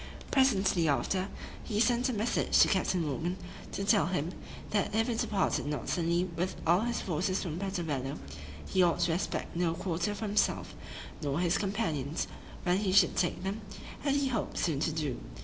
Presently after, he sent a message to Captain Morgan, to tell him, "that if he departed not suddenly with all his forces from Puerto Bello, he ought to expect no quarter for himself, nor his companions, when he should take them, as he hoped soon to do."